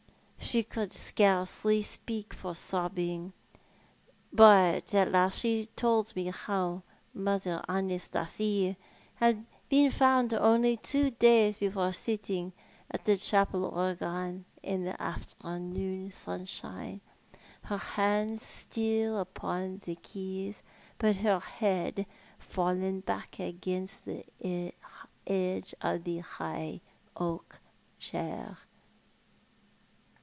She could scarcely speak for sobbing, but at last she told mc how Mother Anastasie had been found only two days Lcfore sitting at the chapel organ in the afternoon sunshiiie, her hands still u])on the keys, but her lioaJ fallen back against the edge of the high oak chair.